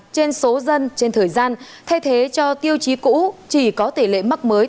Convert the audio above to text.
trên số dân trên thời gian thay thế cho tiêu chí cũ chỉ có tỷ lệ mắc mới